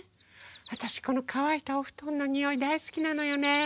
あたしこのかわいたおふとんのにおいだいすきなのよね。